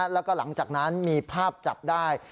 แล้วก็หลังจากนั้นมีภาพจับได้